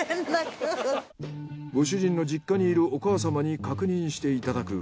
ご主人の実家にいるお母様に確認していただく。